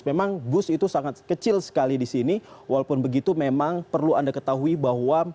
memang bus itu sangat kecil sekali di sini walaupun begitu memang perlu anda ketahui bahwa